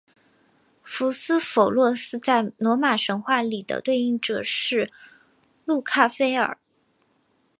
福斯否洛斯在罗马神话里的对应者是路喀斐耳。